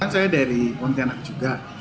saya dari pontianak juga